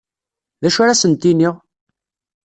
D acu ara asent-iniɣ?